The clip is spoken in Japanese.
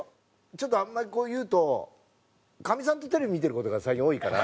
ちょっとあんまりこう言うとかみさんとテレビ見てる事が最近多いから。